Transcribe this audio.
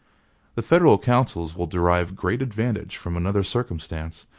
The federal councils will derive great advantage from another circumstance.